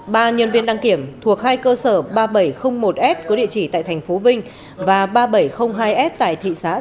ba nhân viên đăng kiểm thuộc hai cơ sở ba nghìn bảy trăm linh một s có địa chỉ tại thành phố vinh và ba nghìn bảy trăm linh một s